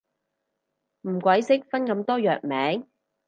唔鬼識分咁多藥名